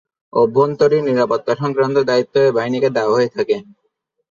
অভ্যন্তরীণ নিরাপত্তা সংক্রান্ত দায়িত্ব এই বাহিনীকে দেওয়া হয়ে থাকে।